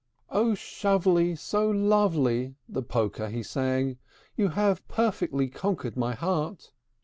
II. "O Shovely so lovely!" the Poker he sang, "You have perfectly conquered my heart.